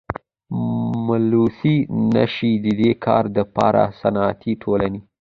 ملوثي نشي ددي کار دپاره صنعتي ټولني.